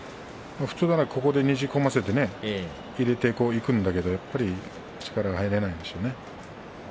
普通なら、ここでねじ込ませて入れていくんですけれどやっぱり力が入らないんでしょうね。